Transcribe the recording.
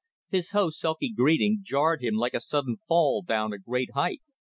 His host's sulky greeting jarred him like a sudden fall down a great height.